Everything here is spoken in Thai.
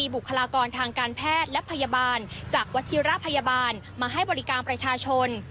บุคลากรทางการแพทย์และพยาบาลจากวัชิระพยาบาลมาให้บริการประชาชน